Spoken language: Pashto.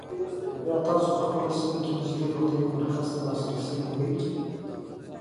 آیا تاسو په خپله سیمه کې نږدې روغتیایي مرکز ته لاسرسی لرئ؟